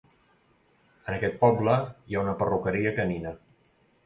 En aquest poble hi ha una perruqueria canina.